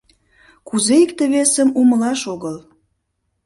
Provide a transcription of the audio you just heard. — Кузе икте-весым умылаш огыл?